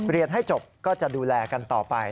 เรียนให้จบก็จะดูแลกันต่อไป